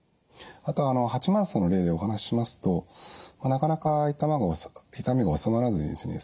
あと八幡さんの例でお話ししますとなかなか痛みが治まらずにですね